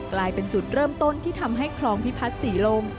กลายเป็นจุดเริ่มต้นที่ทำให้คลองพิพัฒน์ศรีลม